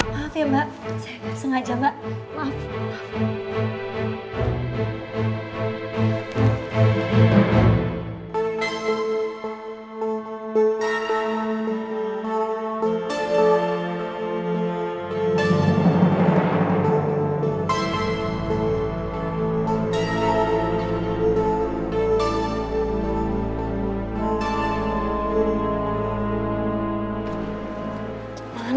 maaf ya mbak saya gak sengaja mbak